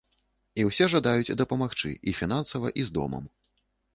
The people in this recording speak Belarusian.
І ўсе жадаюць дапамагчы і фінансава і з домам.